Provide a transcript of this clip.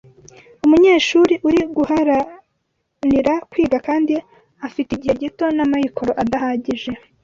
Umunyeshuri uri guharanira kwiga kandi afite igihe gito n’amikoro adahagije